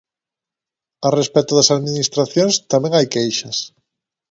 A respecto das Administracións, tamén hai queixas.